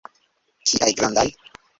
Kiaj grandaj!